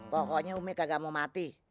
pokoknya umi kagak mau mati